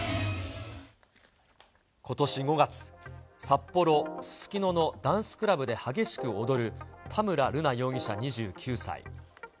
ことし５月、札幌・すすきののダンスクラブで激しく踊る田村瑠奈容疑者２９歳。